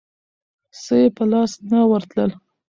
څه یې په لاس نه ورتلل.